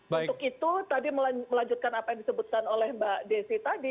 untuk itu tadi melanjutkan apa yang disebutkan oleh mbak desi tadi